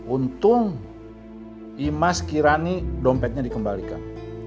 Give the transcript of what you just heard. untung imas kirani dompetnya dikembalikan